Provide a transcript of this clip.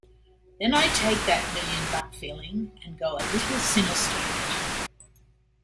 Then I take that million-buck feeling and go a little sinister with it.